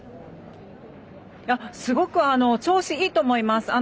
すごく調子がいいと思います。